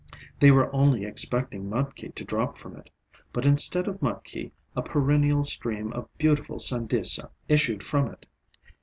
They were only expecting mudki to drop from it, but instead of mudki a perennial stream of beautiful sandesa issued from it.